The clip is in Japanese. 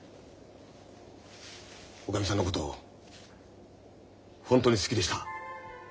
おかみさんのこと本当に好きでした。